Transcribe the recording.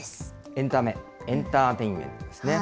エンタメ・エンターテインメントですね。